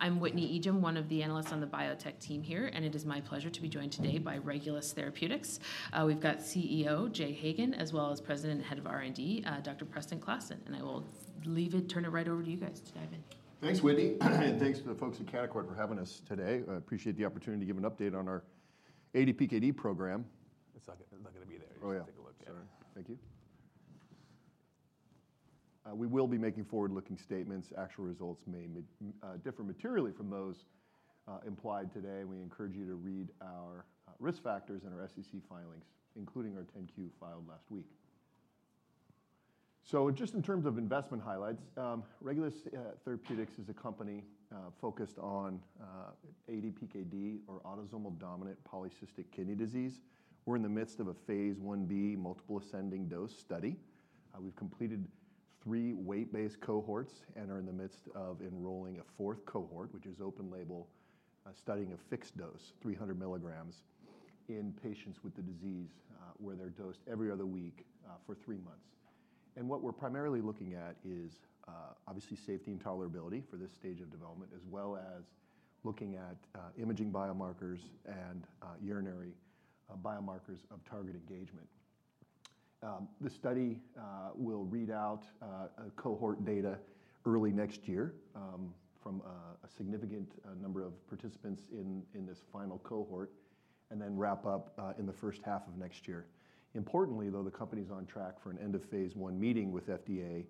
I'm Whitney Ijem, one of the analysts on the biotech team here, and it is my pleasure to be joined today by Regulus Therapeutics. We've got CEO Jay Hagan, as well as President and Head of R&D, Dr. Preston Klassen. I will leave it, turn it right over to you guys to dive in. Thanks, Whitney. Thanks to the folks at Canaccord for having us today. I appreciate the opportunity to give an update on our ADPKD program. It's not gonna be there. Oh, yeah. Just take a look. Sorry. Thank you. We will be making forward-looking statements. Actual results may differ materially from those implied today. We encourage you to read our risk factors in our SEC filings, including our 10-Q filed last week. Just in terms of investment highlights, Regulus Therapeutics is a company focused on ADPKD or autosomal dominant polycystic kidney disease. We're in the midst of a phase 1b multiple ascending dose study. We've completed 3 weight-based cohorts and are in the midst of enrolling a fourth cohort, which is open label, studying a fixed dose, 300 milligrams, in patients with the disease, where they're dosed every other week, for 3 months. And what we're primarily looking at is, obviously, safety and tolerability for this stage of development, as well as looking at imaging biomarkers and urinary biomarkers of target engagement. The study will read out a cohort data early next year, from a significant number of participants in this final cohort, and then wrap up in the first half of next year. Importantly, though, the company is on track for an end of phase 1 meeting with FDA,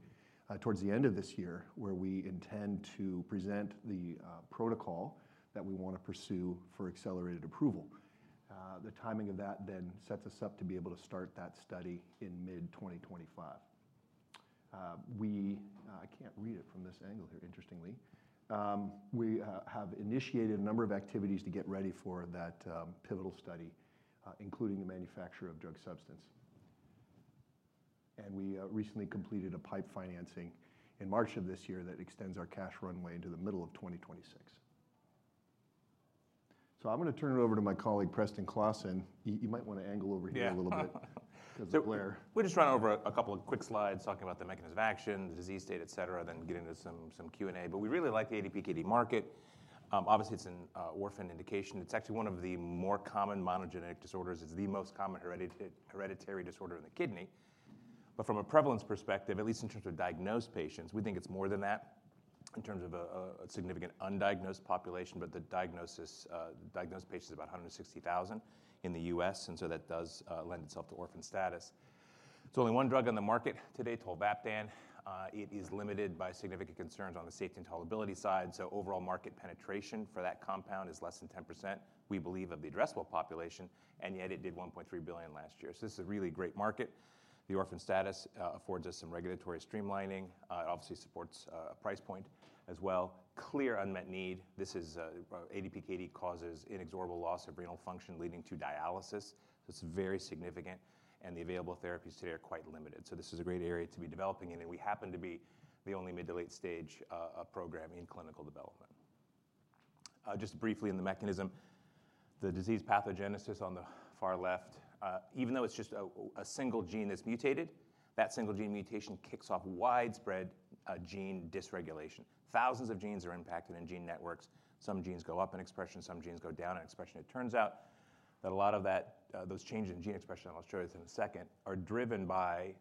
towards the end of this year, where we intend to present the protocol that we wanna pursue for accelerated approval. The timing of that then sets us up to be able to start that study in mid-2025. I can't read it from this angle here, interestingly. We have initiated a number of activities to get ready for that pivotal study, including the manufacture of drug substance. And we recently completed a PIPE financing in March of this year that extends our cash runway into the middle of 2026. So I'm gonna turn it over to my colleague, Preston Klassen. You might wanna angle over here- Yeah. A little bit 'cause of glare. We'll just run over a couple of quick slides, talking about the mechanism of action, the disease state, et cetera, then get into some, some Q&A. But we really like the ADPKD market. Obviously, it's an orphan indication. It's actually one of the more common monogenic disorders. It's the most common hereditary disorder in the kidney. But from a prevalence perspective, at least in terms of diagnosed patients, we think it's more than that in terms of a significant undiagnosed population, but the diagnosed patients is about 160,000 in the U.S., and so that does lend itself to orphan status. There's only one drug on the market today, tolvaptan. It is limited by significant concerns on the safety and tolerability side, so overall market penetration for that compound is less than 10%, we believe, of the addressable population, and yet it did $1.3 billion last year. So this is a really great market. The orphan status affords us some regulatory streamlining. It obviously supports a price point as well. Clear unmet need. This is ADPKD causes inexorable loss of renal function, leading to dialysis. So it is very significant, and the available therapies today are quite limited. So this is a great area to be developing in, and we happen to be the only mid- to late-stage program in clinical development. Just briefly in the mechanism, the disease pathogenesis on the far left, even though it's just a single gene that's mutated, that single gene mutation kicks off widespread gene dysregulation. Thousands of genes are impacted in gene networks. Some genes go up in expression, some genes go down in expression. It turns out that a lot of that, those changes in gene expression, and I'll show this in a second, are driven by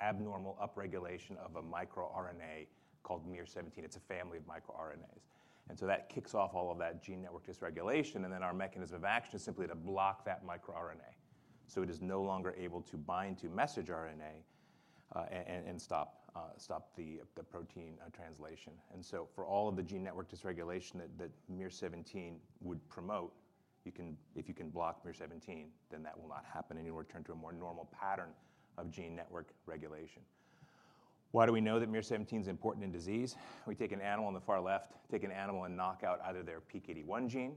abnormal upregulation of a microRNA called miR-17. It's a family of microRNAs. And so that kicks off all of that gene network dysregulation, and then our mechanism of action is simply to block that microRNA. So it is no longer able to bind to messager RNA, and stop the protein translation. And so for all of the gene network dysregulation that, that miR-17 would promote, you can—if you can block miR-17, then that will not happen anymore, turn to a more normal pattern of gene network regulation. Why do we know that miR-17 is important in disease? We take an animal on the far left and knock out either their PKD1 gene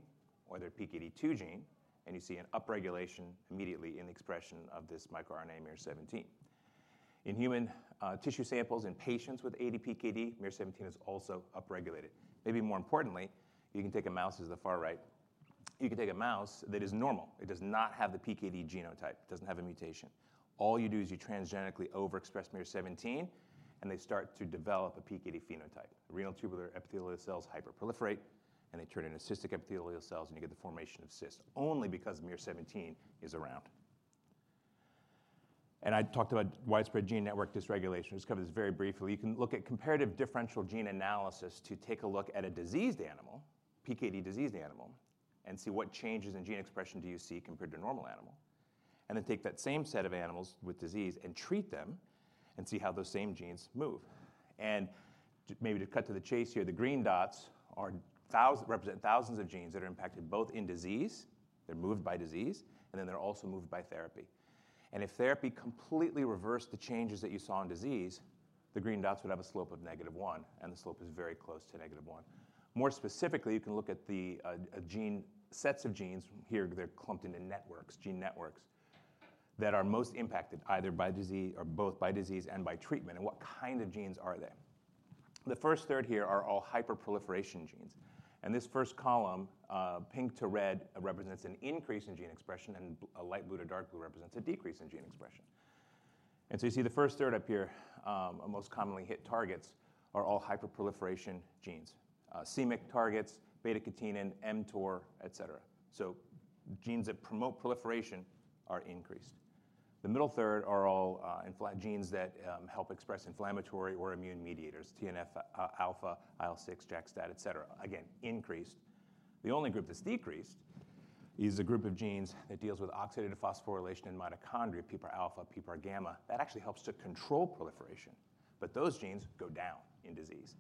or their PKD2 gene, and you see an upregulation immediately in the expression of this microRNA, miR-17. In human tissue samples, in patients with ADPKD, miR-17 is also upregulated. Maybe more importantly, you can take a mouse as the far right. You can take a mouse that is normal. It does not have the PKD genotype, doesn't have a mutation. All you do is you transgenically overexpress miR-17, and they start to develop a PKD phenotype. Renal tubular epithelial cells hyperproliferate, and they turn into cystic epithelial cells, and you get the formation of cysts only because miR-17 is around. I talked about widespread gene network dysregulation. Let's cover this very briefly. You can look at comparative differential gene analysis to take a look at a diseased animal, PKD diseased animal, and see what changes in gene expression do you see compared to a normal animal. Then take that same set of animals with disease and treat them and see how those same genes move. Maybe to cut to the chase here, the green dots represent thousands of genes that are impacted, both in disease, they're moved by disease, and then they're also moved by therapy. If therapy completely reversed the changes that you saw in disease, the green dots would have a slope of -1, and the slope is very close to -1. More specifically, you can look at the gene sets of genes. Here, they're clumped into networks, gene networks, that are most impacted either by disease or both by disease and by treatment, and what kind of genes are they? The first third here are all hyperproliferation genes, and this first column pink to red represents an increase in gene expression, and light blue to dark blue represents a decrease in gene expression. So you see the first third up here, most commonly hit targets are all hyperproliferation genes. c-Myc targets, beta-catenin, mTOR, et cetera. So genes that promote proliferation are increased. The middle third are all inflammatory genes that help express inflammatory or immune mediators, TNF-alpha, IL-6, JAK-STAT, etc. Again, increased. The only group that's decreased is a group of genes that deals with oxidative phosphorylation in mitochondria, PPAR-alpha, PPAR-gamma. That actually helps to control proliferation, but those genes go down in disease.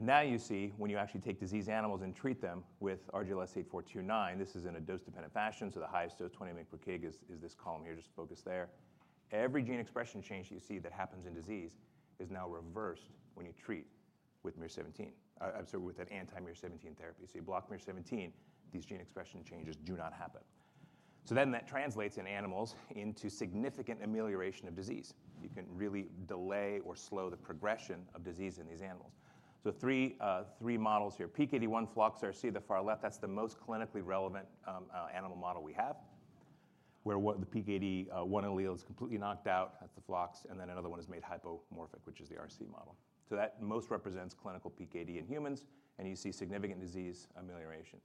And now you see, when you actually take diseased animals and treat them with RGLS8429, this is in a dose-dependent fashion, so the highest dose, 20 mg per kg, is this column here, just focus there. Every gene expression change you see that happens in disease is now reversed when you treat with miR-17. I'm sorry, with that anti-miR-17 therapy. So you block miR-17, these gene expression changes do not happen. So then that translates in animals into significant amelioration of disease. You can really delay or slow the progression of disease in these animals. So three models here. PKD1 flox/RC, the far left, that's the most clinically relevant animal model we have, where the PKD1 allele is completely knocked out at the flox, and then another one is made hypomorphic, which is the RC model. So that most represents clinical PKD in humans, and you see significant disease amelioration.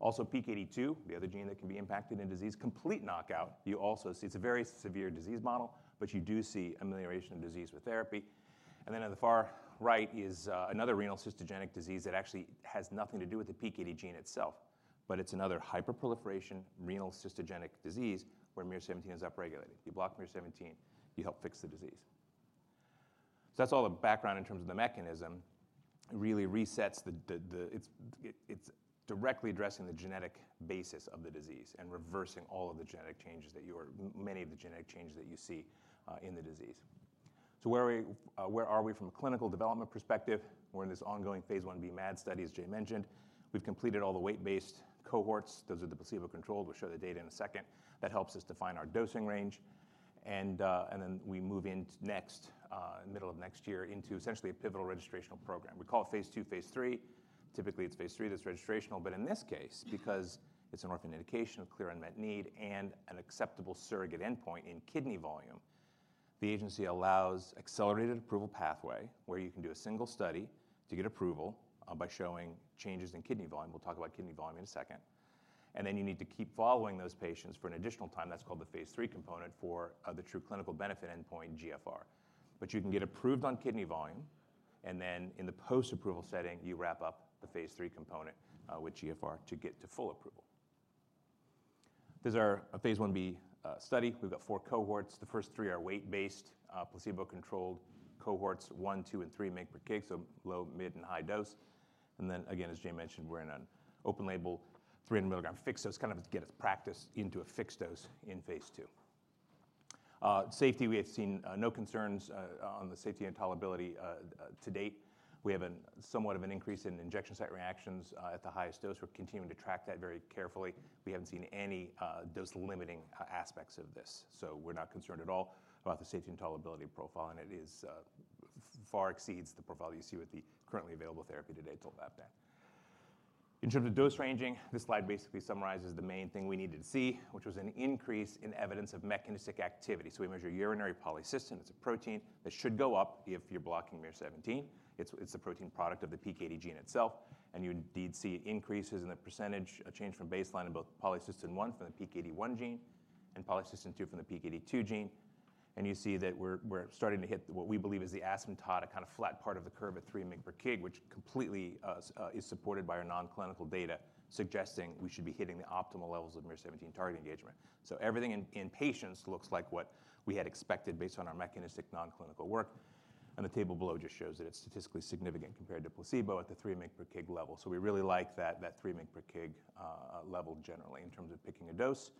Also, PKD2, the other gene that can be impacted in disease, complete knockout. You also see... It's a very severe disease model, but you do see amelioration of disease with therapy. And then on the far right is another renal cystogenic disease that actually has nothing to do with the PKD gene itself, but it's another hyperproliferation renal cystogenic disease where miR-17 is upregulated. You block miR-17, you help fix the disease. So that's all the background in terms of the mechanism. It really resets the... It's directly addressing the genetic basis of the disease and reversing all of the genetic changes that you are-- many of the genetic changes that you see in the disease. So where are we, where are we from a clinical development perspective? We're in this ongoing Phase Ib MAD study, as Jay mentioned. We've completed all the weight-based cohorts. Those are the placebo-controlled. We'll show the data in a second. That helps us define our dosing range, and, and then we move into next, middle of next year into essentially a pivotal registrational program. We call it Phase II, Phase III. Typically, it's phase III that's registrational, but in this case, because it's an orphan indication, a clear unmet need, and an acceptable surrogate endpoint in kidney volume, the agency allows accelerated approval pathway, where you can do a single study to get approval by showing changes in kidney volume. We'll talk about kidney volume in a second. And then you need to keep following those patients for an additional time. That's called the phase III component for the true clinical benefit endpoint, GFR. But you can get approved on kidney volume, and then in the post-approval setting, you wrap up the phase III component with GFR to get to full approval. These are a phase Ib study. We've got four cohorts. The first three are weight-based, placebo-controlled cohorts, 1, 2, and 3 mg per kg, so low, mid, and high dose. Then again, as Jay mentioned, we're in an open-label, 300 mg fixed dose, kind of to get us practice into a fixed dose in phase II. Safety, we have seen, no concerns, on the safety and tolerability, to date. We have somewhat of an increase in injection site reactions, at the highest dose. We're continuing to track that very carefully. We haven't seen any, dose-limiting aspects of this, so we're not concerned at all about the safety and tolerability profile, and it far exceeds the profile you see with the currently available therapy today, tolvaptan. In terms of dose ranging, this slide basically summarizes the main thing we needed to see, which was an increase in evidence of mechanistic activity. So we measure urinary polycystin. It's a protein that should go up if you're blocking miR-17. It's a protein product of the PKD gene itself, and you indeed see increases in the percentage, a change from baseline in both polycystin-1 from the PKD1 gene and polycystin-2 from the PKD2 gene. You see that we're starting to hit what we believe is the asymptotic, kind of flat part of the curve at 3 mg per kg, which completely is supported by our non-clinical data, suggesting we should be hitting the optimal levels of miR-17 target engagement. So everything in patients looks like what we had expected based on our mechanistic non-clinical work. The table below just shows that it's statistically significant compared to placebo at the 3 mg per kg level. So we really like that 3 mg per kg level generally in terms of picking a dose.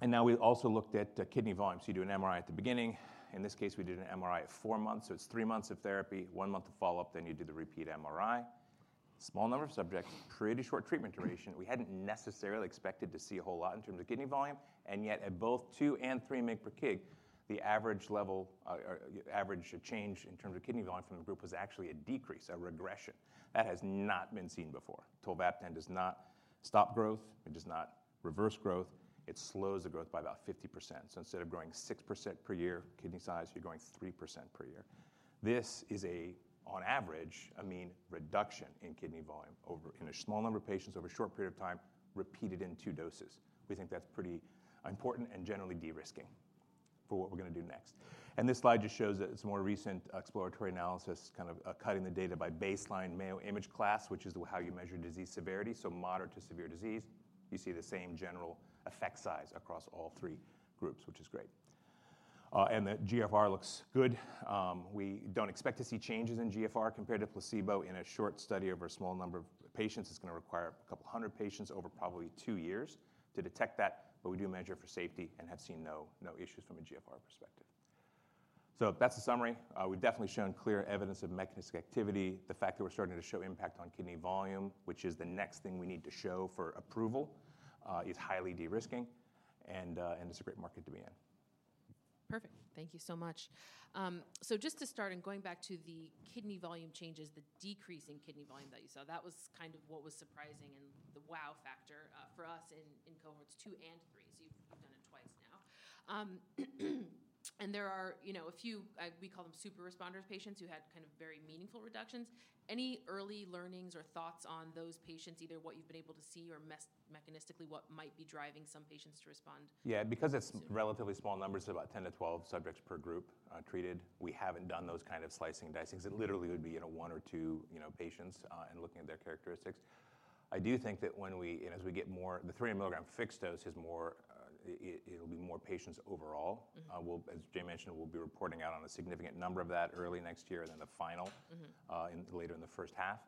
And now we also looked at the kidney volume. So you do an MRI at the beginning. In this case, we did an MRI at four months, so it's three months of therapy, one month of follow-up, then you do the repeat MRI. Small number of subjects, pretty short treatment duration. We hadn't necessarily expected to see a whole lot in terms of kidney volume, and yet at both 2 and 3 mg per kg, the average level, average change in terms of kidney volume from the group was actually a decrease, a regression. That has not been seen before. Tolvaptan does not stop growth. It does not reverse growth. It slows the growth by about 50%. So instead of growing 6% per year, kidney size, you're growing 3% per year. This is a, on average, a mean reduction in kidney volume over... In a small number of patients over a short period of time, repeated in two doses. We think that's pretty important and generally de-risking for what we're going to do next. This slide just shows that it's more recent exploratory analysis, kind of, cutting the data by baseline Mayo Imaging class, which is how you measure disease severity, so moderate to severe disease. You see the same general effect size across all three groups, which is great. And the GFR looks good. We don't expect to see changes in GFR compared to placebo in a short study over a small number of patients. It's gonna require a couple hundred patients over probably two years to detect that, but we do measure it for safety and have seen no, no issues from a GFR perspective. So that's the summary. We've definitely shown clear evidence of mechanistic activity. The fact that we're starting to show impact on kidney volume, which is the next thing we need to show for approval, is highly de-risking, and it's a great market to be in. Thank you so much. So just to start, and going back to the kidney volume changes, the decrease in kidney volume that you saw, that was kind of what was surprising and the wow factor for us in cohorts two and three. So you've done it twice now. And there are, you know, a few we call them super responders, patients who had kind of very meaningful reductions. Any early learnings or thoughts on those patients, either what you've been able to see or mechanistically, what might be driving some patients to respond? Yeah, because it's relatively small numbers, about 10-12 subjects per group, treated, we haven't done those kind of slicing and dicings. It literally would be, you know, one or two, you know, patients, and looking at their characteristics. I do think that when we and as we get more... The 300 milligram fixed dose is more, it, it will be more patients overall. As Jay mentioned, we'll be reporting out on a significant number of that early next year, and then the final In later in the first half.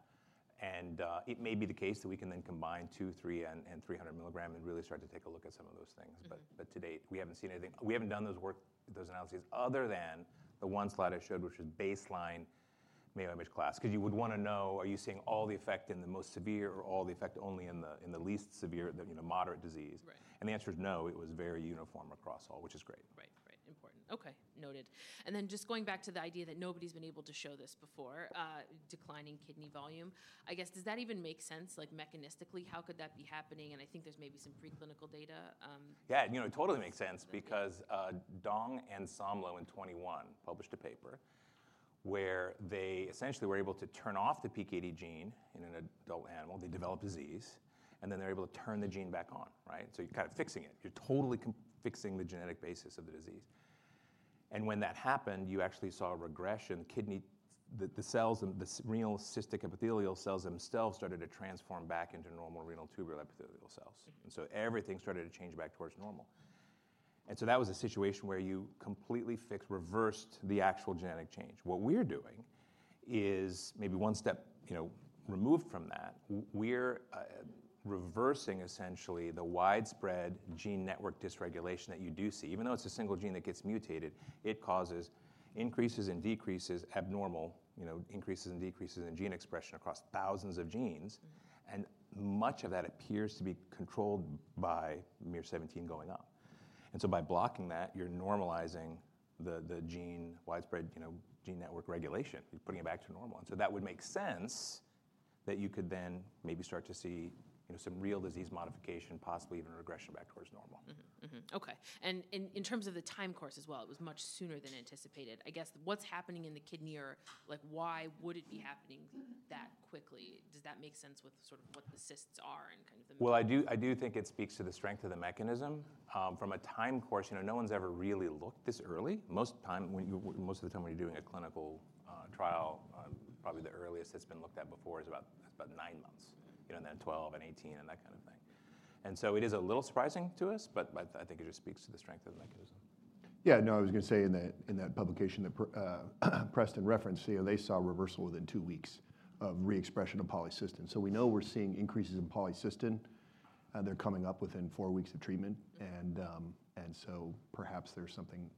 And it may be the case that we can then combine 2, 3, and 300 milligram, and really start to take a look at some of those things. But to date, we haven't seen anything. We haven't done those work, those analyses, other than the one slide I showed, which is baseline Mayo Imaging Classification. 'Cause you would wanna know, are you seeing all the effect in the most severe, or all the effect only in the, in the least severe, the, you know, moderate disease? The answer is no, it was very uniform across all, which is great. Right. Right, important. Okay, noted. And then just going back to the idea that nobody's been able to show this before, declining kidney volume. I guess, does that even make sense, like mechanistically, how could that be happening? And I think there's maybe some preclinical data. Yeah, you know, it totally makes sense because Dong and Somlo in 2021 published a paper where they essentially were able to turn off the PKD gene in an adult animal. They developed disease, and then they're able to turn the gene back on, right? So you're kind of fixing it. You're totally fixing the genetic basis of the disease. And when that happened, you actually saw a regression, kidney, the, the cells and the renal cystic epithelial cells themselves started to transform back into normal renal tubular epithelial cells. And so everything started to change back towards normal. And so that was a situation where you completely fixed, reversed the actual genetic change. What we're doing is maybe one step, you know, removed from that. We're reversing essentially the widespread gene network dysregulation that you do see. Even though it's a single gene that gets mutated, it causes increases and decreases, abnormal, you know, increases and decreases in gene expression across thousands of genes, and much of that appears to be controlled by miR-17 going up. And so by blocking that, you're normalizing the gene widespread, you know, gene network regulation. You're putting it back to normal. And so that would make sense that you could then maybe start to see, you know, some real disease modification, possibly even a regression back towards normal. Okay. And in terms of the time course as well, it was much sooner than anticipated. I guess, what's happening in the kidney or, like, why would it be happening that quickly? Does that make sense with sort of what the cysts are and kind of the- Well, I do, I do think it speaks to the strength of the mechanism. From a time course, you know, no one's ever really looked this early. Most of the time when you're doing a clinical trial, probably the earliest it's been looked at before is about, about 9 months, you know, and then 12 and 18, and that kind of thing. And so it is a little surprising to us, but I, I think it just speaks to the strength of the mechanism. Yeah, no, I was gonna say in that publication that Preston referenced, you know, they saw reversal within two weeks of reexpression of polycystin. So we know we're seeing increases in polycystin. They're coming up within four weeks of treatment, and so perhaps there's something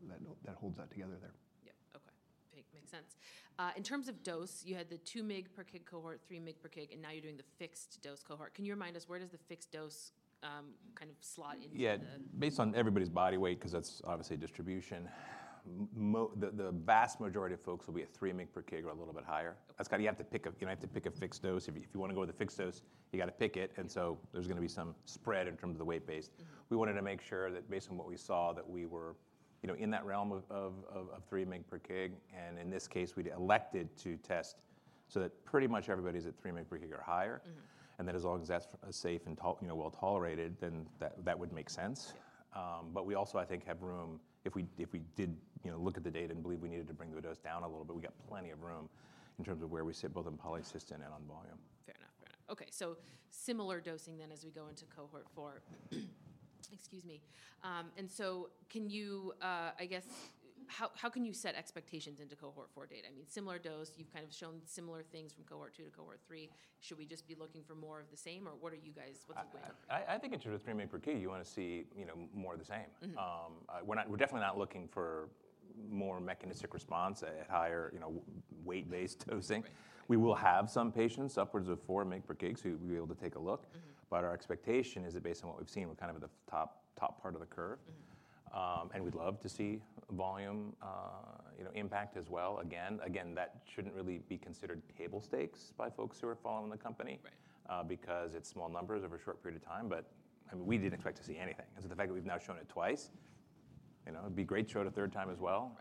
that holds that together there. Yeah. Okay, makes sense. In terms of dose, you had the 2 mg per kg cohort, 3 mg per kg, and now you're doing the fixed dose cohort. Can you remind us, where does the fixed dose kind of slot into the- Yeah. Based on everybody's body weight, 'cause that's obviously a distribution, the vast majority of folks will be at 3 mg per kg or a little bit higher. That's got... You have to pick a, you know, you have to pick a fixed dose. If you wanna go with the fixed dose, you gotta pick it, and so there's gonna be some spread in terms of the weight base. We wanted to make sure that based on what we saw, that we were, you know, in that realm of 3 mg per kg, and in this case, we'd elected to test so that pretty much everybody's at 3 mg per kg or higher. And then as long as that's safe and, you know, well tolerated, then that, that would make sense. But we also, I think, have room if we, if we did, you know, look at the data and believe we needed to bring the dose down a little bit, we got plenty of room in terms of where we sit, both in polycystic and on volume. Fair enough. Fair enough. Okay, so similar dosing then as we go into Cohort Four. Excuse me. And so can you, I guess, how can you set expectations into Cohort Four data? I mean, similar dose, you've kind of shown similar things from Cohort Two to Cohort Three. Should we just be looking for more of the same, or what are you guys, what's the plan? I think in terms of 3 mg per kg, you wanna see, you know, more of the same. We're not. We're definitely not looking for more mechanistic response at higher, you know, weight-based dosing We will have some patients, upwards of 4 mg per kg, who we'll be able to take a look but our expectation is that based on what we've seen, we're kind of at the top, top part of the curve. We'd love to see volume, you know, impact as well. Again, that shouldn't really be considered table stakes by folks who are following the company because it's small numbers over a short period of time, but, I mean, we didn't expect to see anything. And so the fact that we've now shown it twice, you know, it'd be great to show it a third time as well.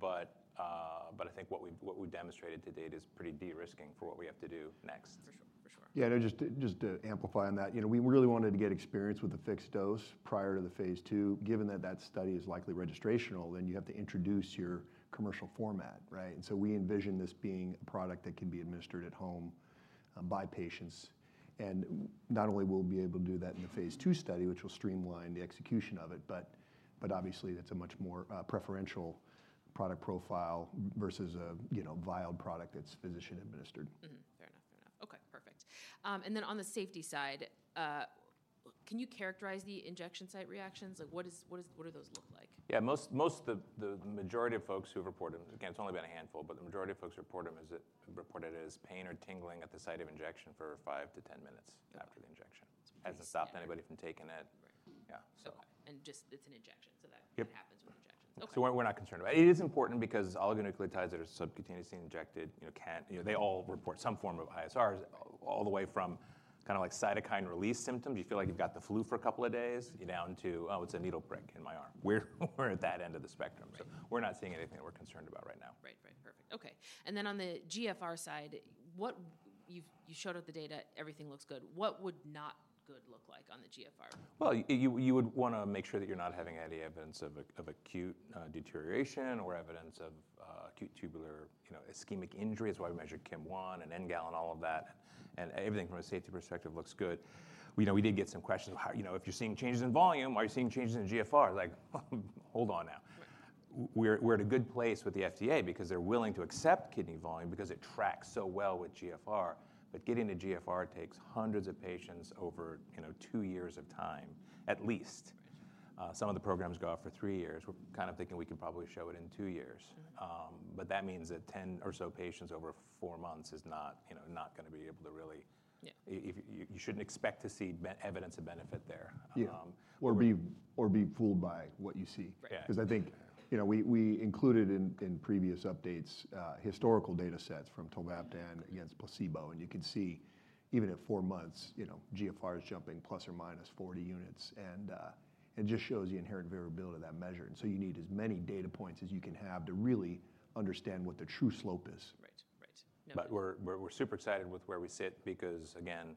But I think what we've demonstrated to date is pretty de-risking for what we have to do next. For sure. For sure. Yeah, no, just to, just to amplify on that, you know, we really wanted to get experience with the fixed dose prior to the Phase II. Given that that study is likely registrational, then you have to introduce your commercial format, right? And so we envision this being a product that can be administered at home by patients. And not only will we be able to do that in the Phase II study, which will streamline the execution of it, but obviously, that's a much more preferential product profile versus a, you know, vialed product that's physician administered. Fair enough. Fair enough. Okay, perfect. And then on the safety side, can you characterize the injection site reactions? Like, what is, what is, what do those look like? Yeah, most of the majority of folks who've reported, again, it's only been a handful, but the majority of folks report it as pain or tingling at the site of injection for 5-10 minutes.... after the injection... hasn't stopped anybody from taking it. Right. Yeah, so. And just, it's an injection, so that- Yep. It happens with injections. Okay. So we're, we're not concerned about it. It is important because oligonucleotides that are subcutaneously injected, you know, can... You know, they all report some form of ISRs, all the way from kinda like cytokine release symptoms. You feel like you've got the flu for a couple of days, down to, "Oh, it's a needle prick in my arm." We're, we're at that end of the spectrum. Right. We're not seeing anything that we're concerned about right now. Right, right. Perfect. Okay, and then on the GFR side, what you've shown, the data, everything looks good. What would not good look like on the GFR? Well, you would wanna make sure that you're not having any evidence of acute deterioration or evidence of acute tubular, you know, ischemic injury. It's why we measure KIM-1 and NGAL and all of that, and everything from a safety perspective looks good. We know, we did get some questions. How, you know, if you're seeing changes in volume, are you seeing changes in GFR? Like, hold on now. Right. We're at a good place with the FDA because they're willing to accept kidney volume because it tracks so well with GFR, but getting to GFR takes hundreds of patients over, you know, two years of time at least. Right. Some of the programs go out for three years. We're kind of thinking we could probably show it in two years. But that means that 10 or so patients over 4 months is not, you know, not gonna be able to really- Yeah. If you shouldn't expect to see evidence of benefit there. Yeah, or be fooled by what you see. Right. 'Cause I think, you know, we included in previous updates historical data sets from tolvaptan against placebo, and you can see even at four months, you know, GFR is jumping ±40 units, and it just shows the inherent variability of that measure. So you need as many data points as you can have to really understand what the true slope is. Right. Right. But we're super excited with where we sit because, again,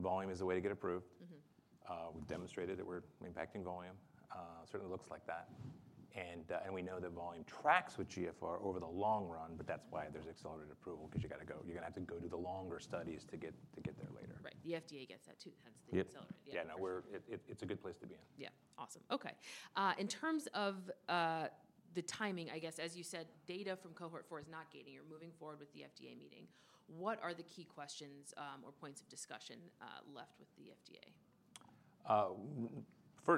volume is the way to get approved. We've demonstrated that we're impacting volume. Certainly looks like that. And we know that volume tracks with GFR over the long run, but that's why there's accelerated approval, 'cause you gotta go, you're gonna have to go do the longer studies to get there later. Right. The FDA gets that too, hence the accelerated. Yep. Yeah. Yeah, no, we're. It's a good place to be in. Yeah. Awesome, okay. In terms of the timing, I guess, as you said, data from Cohort 4 is not lagging. You're moving forward with the FDA meeting. What are the key questions or points of discussion left with the FDA?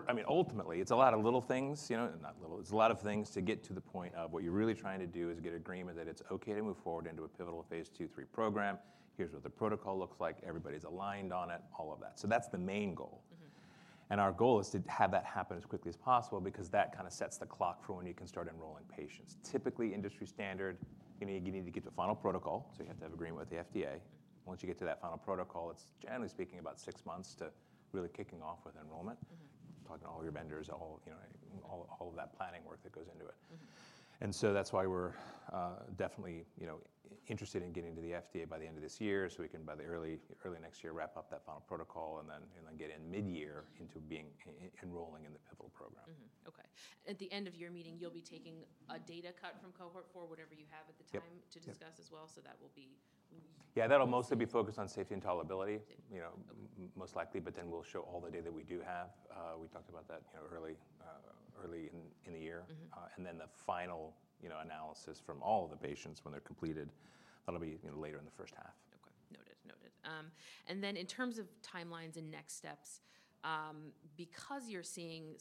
I mean, ultimately, it's a lot of little things, you know, not little. It's a lot of things to get to the point of what you're really trying to do is get agreement that it's okay to move forward into a pivotal phase 2, 3 program. Here's what the protocol looks like. Everybody's aligned on it, all of that. So that's the main goal. Our goal is to have that happen as quickly as possible because that kinda sets the clock for when you can start enrolling patients. Typically, industry standard, you need to get to final protocol, so you have to have agreement with the FDA. Once you get to that final protocol, it's generally speaking, about six months to really kicking off with enrollment. Talking to all your vendors, you know, all of that planning work that goes into it. And so that's why we're definitely, you know, interested in getting to the FDA by the end of this year, so we can, by the early, early next year, wrap up that final protocol and then, and then get in midyear into being enrolling in the pivotal program. Okay. At the end of your meeting, you'll be taking a data cut from cohort four, whatever you have at the time- Yep... to discuss as well. So that will be when you- Yeah, that'll mostly be focused on safety and tolerability. Yep. You know, most likely, but then we'll show all the data that we do have. We talked about that, you know, early in the year. And then the final, you know, analysis from all the patients when they're completed. That'll be, you know, later in the first half. Okay, noted. Noted. And then in terms of timelines and next steps, because you're seeing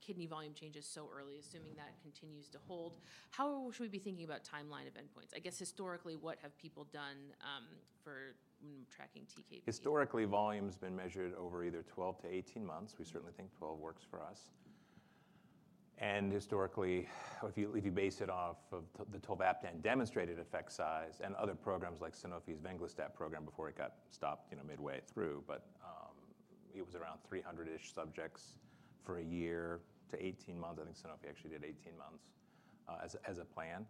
kidney volume changes so early, assuming that continues to hold, how should we be thinking about timeline of endpoints? I guess historically, what have people done, for tracking TKB? Historically, volume's been measured over either 12-18 months. We certainly think 12 works for us. Historically, if you base it off of the tolvaptan demonstrated effect size and other programs like Sanofi's venglustat program before it got stopped, you know, midway through, but it was around 300-ish subjects for a year to 18 months. I think Sanofi actually did 18 months as a plan.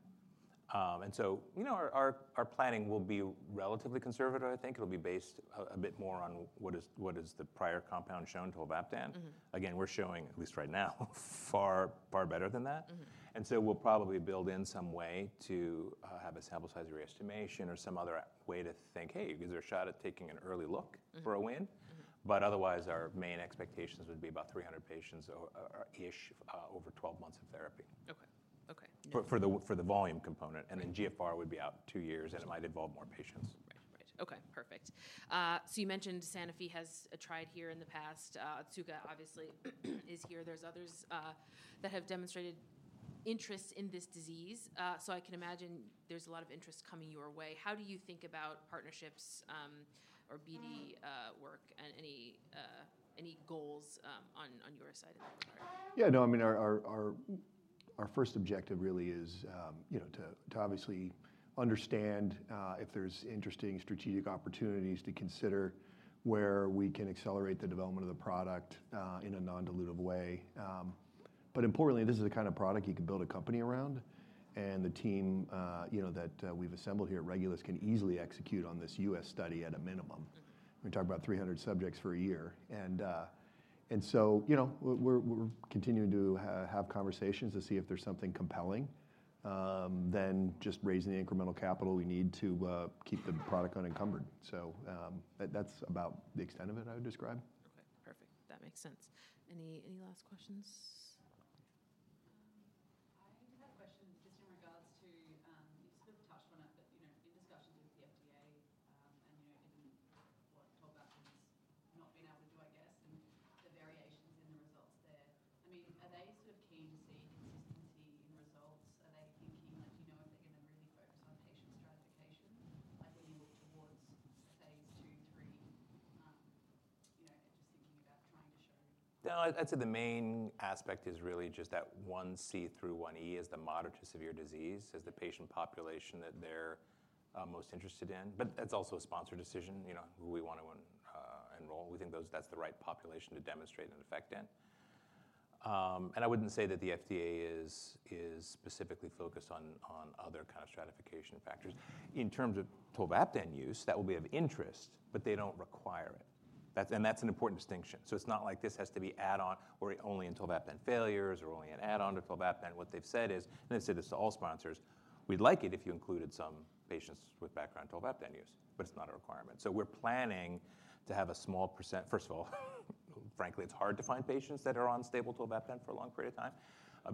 So, you know, our planning will be relatively conservative, I think. It'll be based a bit more on what is the prior compound shown, tolvaptan. Again, we're showing, at least right now, far, far better than that. And so we'll probably build in some way to have a sample size re-estimation or some other way to think, "Hey, is there a shot at taking an early look for a win? But otherwise, our main expectations would be about 300 patients or so over 12 months of therapy. Okay. Okay. For the volume component And then GFR would be out two years, and it might involve more patients. Right. Right. Okay, perfect. So you mentioned Sanofi has tried here in the past. Otsuka obviously is here. There's others that have demonstrated interest in this disease. So I can imagine there's a lot of interest coming your way. How do you think about partnerships, or BD work and any goals on your side of the coin? Yeah, no, I mean, our first objective really is, you know, to obviously understand if there's interesting strategic opportunities to consider where we can accelerate the development of the product in a non-dilutive way. But importantly, this is the kind of product you can build a company around, and the team, you know, that we've assembled here at Regulus can easily execute on this U.S. study at a minimum. We talked about 300 subjects for a year, and so, you know, we're continuing to have conversations to see if there's something compelling, then just raising the incremental capital we need to keep the product unencumbered. So, that, that's about the extent of it, I would describe. Okay, perfect. That makes sense. Any last questions? I That's, and that's an important distinction. So it's not like this has to be add-on or only in tolvaptan failures or only an add-on to tolvaptan. What they've said is, and they've said this to all sponsors: "We'd like it if you included some patients with background tolvaptan use, but it's not a requirement." So we're planning to have a small percent... First of all, frankly, it's hard to find patients that are on stable tolvaptan for a long period of time,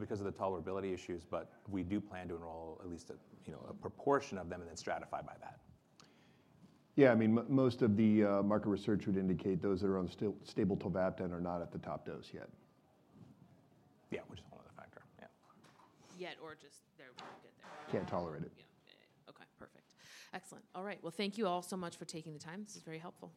because of the tolerability issues, but we do plan to enroll at least a, you know, a proportion of them and then stratify by that. Yeah, I mean, most of the market research would indicate those that are on stable tolvaptan are not at the top dose yet. Yeah, which is another factor. Yeah. Yet, or just they're gonna get there. Can't tolerate it. Yeah. Okay, perfect. Excellent. All right, well, thank you all so much for taking the time. This was very helpful.